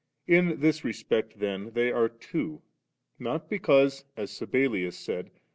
In this respect then they are two; not because as Sabellius said.